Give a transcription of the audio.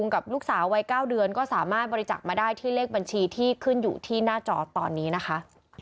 กับลูกสาววัย๙เดือนก็สามารถบริจักษ์มาได้ที่เลขบัญชีที่ขึ้นอยู่ที่หน้าจอตอนนี้นะคะ